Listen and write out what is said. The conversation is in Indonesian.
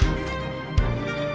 jangan lupa untuk mencoba